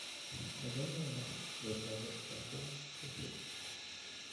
"I don't know enough," replied the Scarecrow, cheerfully.